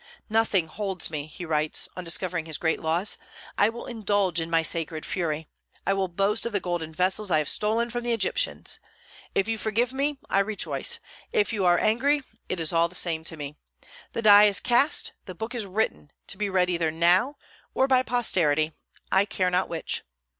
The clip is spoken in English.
"Nothing holds me," he writes, on discovering his great laws; "I will indulge in my sacred fury. I will boast of the golden vessels I have stolen from the Egyptians. If you forgive me, I rejoice. If you are angry, it is all the same to me. The die is cast; the book is written, to be read either now, or by posterity, I care not which.